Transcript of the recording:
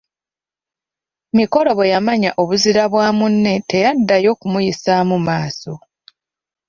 Mikolo bwe yamanya obuzira bwa munne teyaddayo kumuyisaamu maaso.